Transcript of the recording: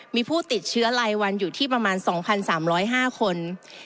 มีผู้ติดเชื้อรายวันอยู่ที่ประมาณ๒๓๐๕คน